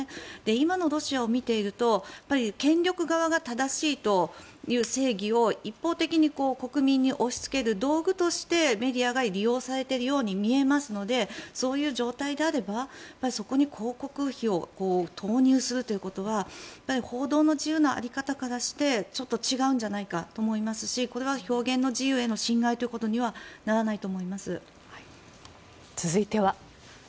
今のロシアを見ていると権力側が正しいという正義を一方的に国民に押しつける道具としてメディアが利用されているように見ますのでそういう状態であれば、そこに広告費を投入するというのは報道の自由の在り方からしてちょっと違うんじゃないかと思いますしこれは表現の自由への侵害ということには続いては。